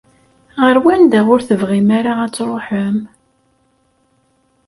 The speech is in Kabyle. Ɣer wanda ur tebɣim ara ad tṛuḥem?